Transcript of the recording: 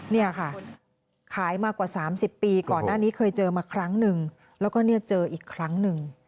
เนี่ยค่ะขายมากว่า๓๐ปีก่อนหน้านี้เคยเจอมาครั้งหนึ่งแล้วก็เนี่ยเจออีกครั้งหนึ่ง